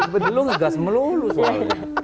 belum ngegas melulu soalnya